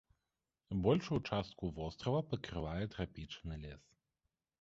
Большую частку вострава пакрывае трапічны лес.